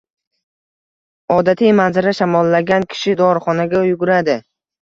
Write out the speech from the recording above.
Odatiy manzara — shamollagan kishi dorixonaga yuguradi